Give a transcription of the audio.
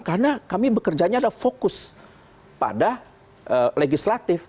karena kami bekerjanya ada fokus pada legislatif